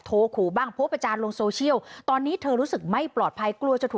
ว่าแบบสนใจคู่ยืนเงินไหมแล้วก็แบบหลงเชื่อก็เลยปวดเข้าไปว่าสนใจ